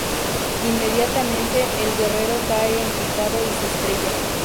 Inmediatamente, el guerrero cae en picado y se estrella.